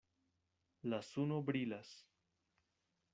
La suno brilas.